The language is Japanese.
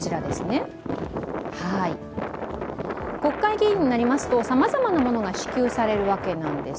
国会議員になりますとさまざまものが支給されるわけなんです。